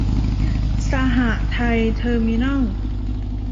สหไทย เทอร์มินอล